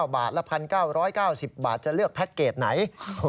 บาทละ๑๙๙๐บาทจะเลือกแพ็คเกจไหน